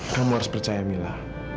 kamu harus percaya mila